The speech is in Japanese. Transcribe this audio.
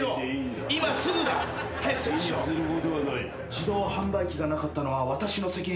自動販売機がなかったのは私の責任です。